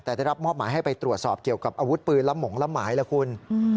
แต่ได้รับมอบหมายให้ไปตรวจสอบเกี่ยวกับอาวุธปืนละหมงละหมายแล้วคุณ